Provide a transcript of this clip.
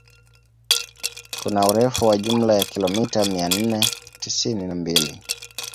Kuna urefu wa jumla ya kilomita mia nne tisini na mbili